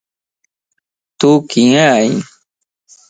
تو ڪيئن ائين؟